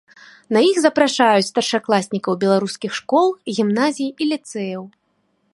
На іх запрашаюць старшакласнікаў беларускіх школ, гімназій і ліцэяў.